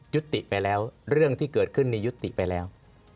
ยุติไปแล้วเรื่องที่เกิดขึ้นในยุติไปแล้ว